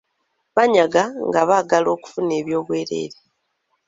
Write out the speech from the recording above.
Banyaga nga baagala okufuna oby’obwereere.